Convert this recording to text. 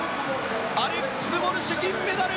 アレックス・ウォルシュ銀メダル。